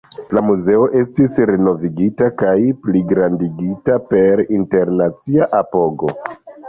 La muzeo estis renovigita kaj pligrandigita per internacia apogo.